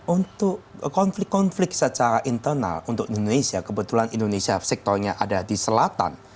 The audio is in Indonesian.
untuk konflik konflik secara internal untuk indonesia kebetulan indonesia sektornya ada di selatan